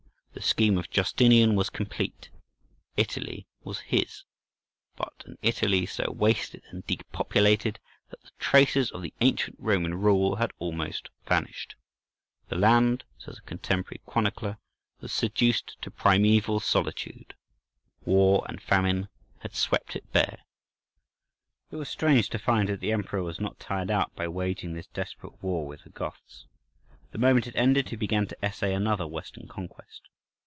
The scheme of Justinian was complete. Italy was his; but an Italy so wasted and depopulated, that the traces of the ancient Roman rule had almost vanished. "The land," says a contemporary chronicler, "was reduced to primeval solitude"—war and famine had swept it bare. Details Of St. Sophia. It is strange to find that the Emperor was not tired out by waging this desperate war with the Goths; the moment it ended he began to essay another western conquest.